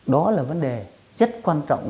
đó là vấn đề rất quan trọng